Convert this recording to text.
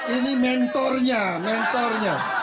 ini mentornya mentornya